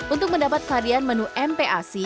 untuk mendapat varian menu mpac